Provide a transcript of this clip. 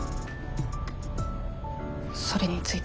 それについては。